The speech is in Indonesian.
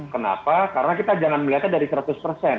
kenapa karena kita jangan melihatnya dari seratus persen